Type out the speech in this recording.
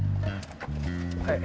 はい。